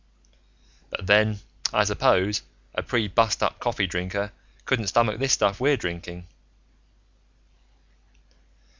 "But then, I suppose, a pre bustup coffee drinker couldn't stomach this stuff we're drinking."